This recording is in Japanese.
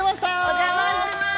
お邪魔します